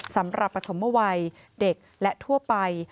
สำหรับปฐมวัยเด็กและทั่วไป